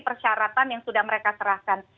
persyaratan yang sudah mereka serahkan